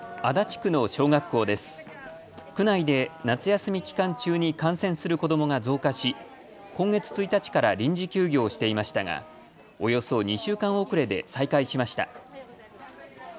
区内で夏休み期間中に感染する子どもが増加し今月１日から臨時休業していましたがおよそ２週間遅れで再開しました。